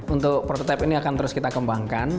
untuk prototipe ini akan terus kita kembangkan